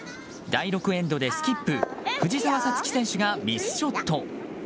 第６エンドでスキップ、藤澤五月選手がミスショット。